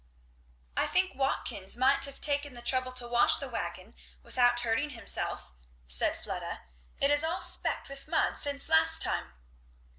"I think Watkins might have taken the trouble to wash the wagon, without hurting himself," said Fleda; "it is all specked with mud since last time."